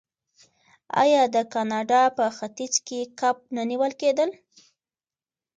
آیا د کاناډا په ختیځ کې کب نه نیول کیدل؟